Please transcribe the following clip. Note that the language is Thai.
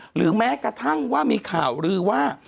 หรือแม้กระทั่งว่ามีข่าวลือว่า